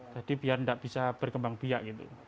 jadi biar tidak bisa berkembang biak gitu